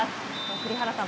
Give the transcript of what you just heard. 栗原さん